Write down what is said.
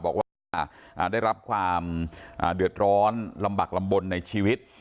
บอกว่าได้รับความเดือดร้อนลำบักลำบลในชีวิต